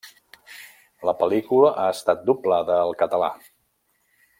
La pel·lícula ha estat doblada al català.